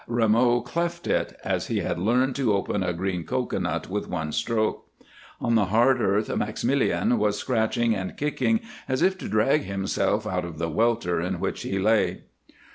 Rameau cleft it, as he had learned to open a green cocoanut, with one stroke. On the hard earth, Maximilien was scratching and kicking as if to drag himself out of the welter in which he lay.